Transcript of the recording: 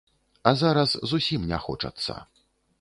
А зараз зусім не хочацца.